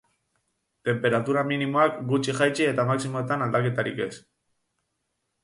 Tenperatura minimoak gutxi jaitsi eta maximoetan aldaketarik ez.